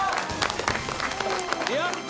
やった！